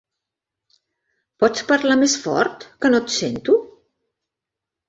Pots parlar més fort, que no et sento?